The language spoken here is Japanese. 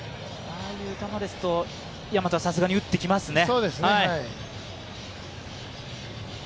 ああいう球ですと、大和はさすがに打ってきますね。